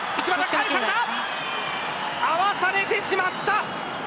合わされてしまった。